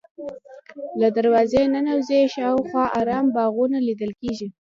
له دروازې ننوځې شاوخوا ارام باغونه لیدل کېږي.